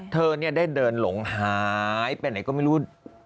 เธอได้เดินหลงหายไปไหนก็ไม่รู้